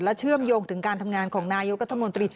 เชื่อมโยงถึงการทำงานของนายกรัฐมนตรี